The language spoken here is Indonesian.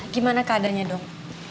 gimana keadanya dong